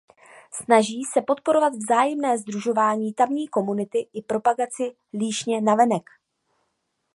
Snaží se podporovat vzájemné sdružování tamní komunity i propagaci Líšně navenek.